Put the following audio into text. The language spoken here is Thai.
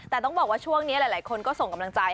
แต่ต้องบอกว่าช่วงนี้หลายคนก็ส่งกำลังใจ